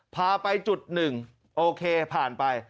พาไปจุด๑โอเคผ่านไป